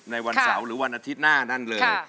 ในวันเสาร์หรือวันอาทิตย์หน้านั่นเลย